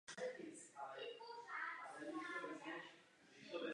Nábožensky orientovaná korporace vzniklá pouze kvůli boji s Černou legií.